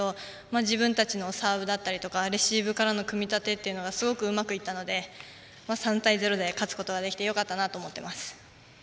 自分たちのサーブだったりレシーブからの組み立てがすごくうまくいったので３対０で勝つことができてよかったなと思っています。